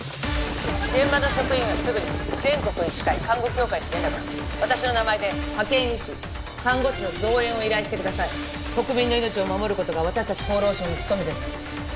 現場の職員はすぐに全国医師会看護協会に連絡私の名前で派遣医師看護師の増援を依頼してください国民の命を守ることが私達厚労省の務めです